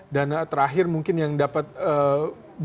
dan terakhir mungkin yang dapat berhasil